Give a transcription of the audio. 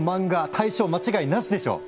大賞間違いなしでしょう！